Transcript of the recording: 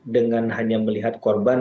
dengan hanya melihat korban